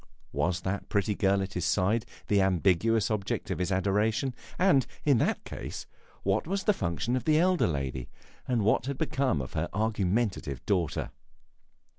Was that pretty girl at his side the ambiguous object of his adoration, and, in that case, what was the function of the elder lady, and what had become of her argumentative daughter?